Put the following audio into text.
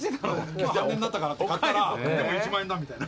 今日半値になったからって買ったらでも１万円だみたいな。